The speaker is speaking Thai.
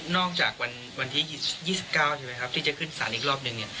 นอกจากวันที่๒๙ที่จะขึ้นศาลอีกรอบนึง